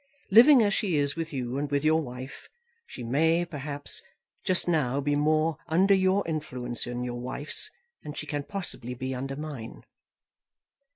Living as she is with you, and with your wife, she may, perhaps, just now be more under your influence and your wife's than she can possibly be under mine."